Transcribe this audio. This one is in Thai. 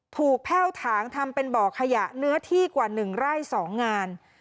แพ่วถางทำเป็นบ่อขยะเนื้อที่กว่า๑ไร่๒งาน